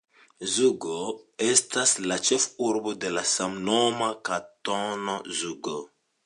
Zugo estas la ĉefurbo de la samnoma Kantono Zugo.